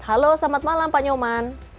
halo selamat malam pak nyoman